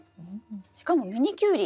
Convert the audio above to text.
しかもミニキュウリ。